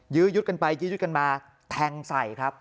ยื้อยุดกันไปแทงใส่ครับ